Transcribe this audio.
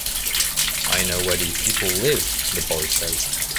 I know where these people live”, the boy says.